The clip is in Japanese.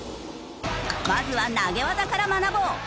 まずは投げ技から学ぼう！